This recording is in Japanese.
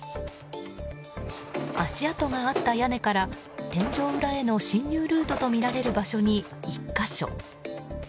足跡があった屋根から天井裏への侵入ルートとみられる場所に１か所。